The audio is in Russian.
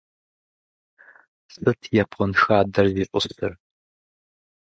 что такое японский сад,